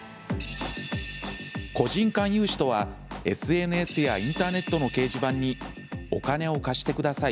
個人間融資とは、ＳＮＳやインターネットの掲示板に「お金を貸してください」